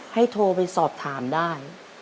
โทรไปสอบถามได้